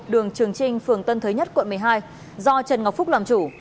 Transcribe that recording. đường trường trinh phường tân thới nhất quận một mươi hai do trần ngọc phúc làm chủ